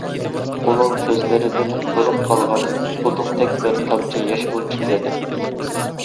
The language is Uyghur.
ئۇنىڭ كۆزلىرىدىن قۇرۇپ قالغان قۇدۇقتەك بىر تامچە ياشمۇ چىقمىدى.